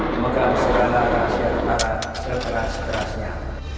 lima memegang segala rahasia tentara segera segerasnya